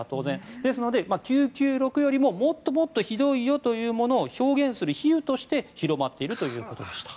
なので、９９６よりももっともっとひどいよという比喩として広まっているということでした。